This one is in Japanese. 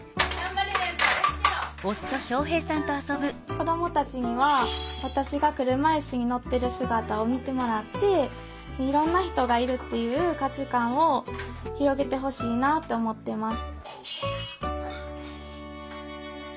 子どもたちには私が車いすに乗ってる姿を見てもらっていろんな人がいるっていう価値観を広げてほしいなって思っています